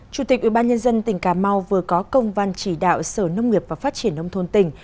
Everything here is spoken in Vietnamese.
chủ tịch ubnd tỉnh cà mau vừa có công văn chỉ đạo sở nông nghiệp và phát triển nông thôn tỉnh